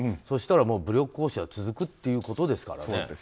そしたら、武力行使は続くということですからね。